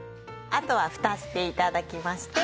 あとはふたして頂きまして。